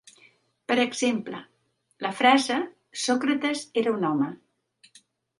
Per exemple, la frase "Sòcrates era un home".